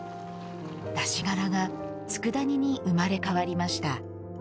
出し殻がつくだ煮に生まれ変わりました。